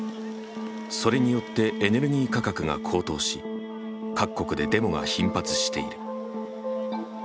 それによってエネルギー価格が高騰し各国でデモが頻発している。